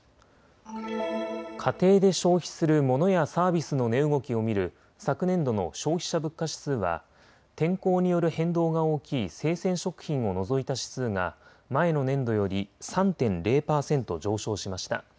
家庭で消費するモノやサービスの値動きを見る昨年度の消費者物価指数は天候による変動が大きい生鮮食品を除いた指数が前の年度より３．０％上昇しました。